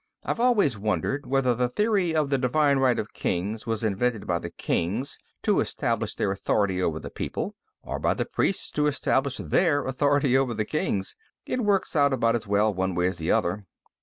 I've always wondered whether the theory of the divine right of kings was invented by the kings, to establish their authority over the people, or by the priests, to establish their authority over the kings. It works about as well one way as the other."